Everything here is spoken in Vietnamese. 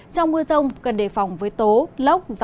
trong mưa rông cần đề phòng với tố lốc